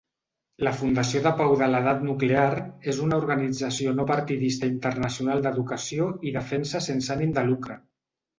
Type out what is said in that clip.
La Fundació de Pau de l'Edat Nuclear és una organització no partidista internacional d'educació i defensa sense ànim de lucre.